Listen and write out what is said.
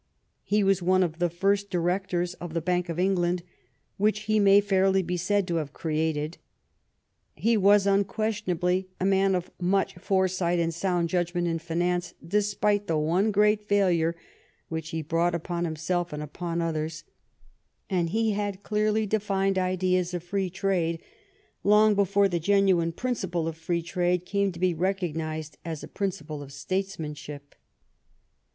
He was one of the first directors of that Bank of England which he may fairly be said to have created. He was unquestionably a man of much foresight and sound judgment in finance, despite the one great failure which he brought upon himself and upon others, and he had clearly defined ideas of free trade long before the genuine principle of free trade came to be recognized as a principle of states manship.